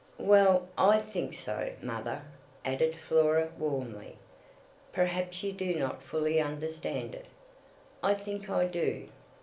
"Well, I think so, mother," added Flora, warmly. "Perhaps you do not fully understand it." "I think I do."